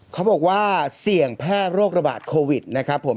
เขาบอกว่าเสี่ยงแพร่โรคระบาดโควิดนะครับผม